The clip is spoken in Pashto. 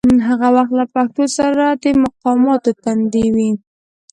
هغه وخت له پښتو سره د مقاماتو تندي و.